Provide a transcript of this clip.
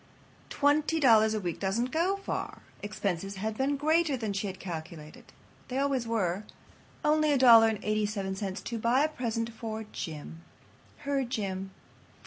Twenty dollars a week doesn't go far. Expenses had been greater than she had calculated. They always are. Only $1.87 to buy a present for Jim. Her Jim.